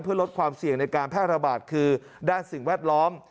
เพื่อลดความเสี่ยงในการแพร่ระบาดคือด้านสิ่งแวดล้อม